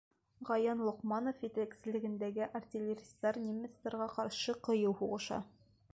Ғаян Лоҡманов етәкселегендә артиллеристар немецтарға ҡаршы ҡыйыу һуғыша.